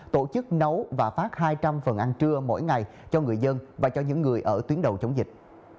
tổ chức nấu và phát hai trăm linh phần ăn trưa mỗi ngày cho người dân và cho những người ở tuyến đầu chống dịch